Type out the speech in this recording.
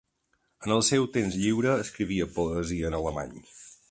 En el seu temps lliure, escrivia poesia en alemany.